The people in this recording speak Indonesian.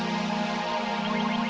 ya salam buku